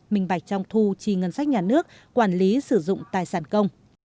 minh bạch trong thu chi ngân sách nhà nước quản lý sử dụng tài sản công